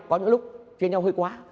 có những lúc chê nhau hơi quá